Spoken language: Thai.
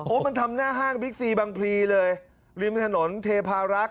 มันทำหน้าห้างบิ๊กซีบังพลีเลยริมถนนเทพารักษ